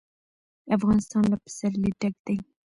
افغانستان له پسرلی ډک دی.